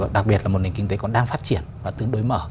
đặc biệt là một nền kinh tế còn đang phát triển và tương đối mở